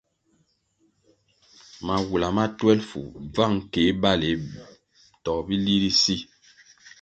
Mawula ma twelfu, bvang keh baleh to bili bi kwar ri si.